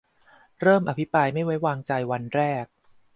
- เริ่ม อภิปรายไม่ไว้วางใจ วันแรก